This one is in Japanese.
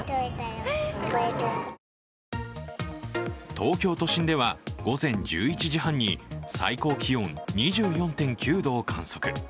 東京都心では午前１１時半に最高気温２４．９度を観測。